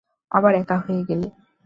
আবার একা হয়ে গেলে।